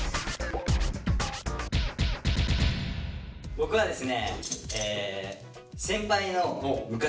僕はですね